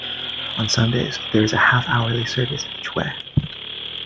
On Sundays, there is a half-hourly service each way.